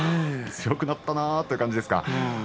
強くなったなという感じですか。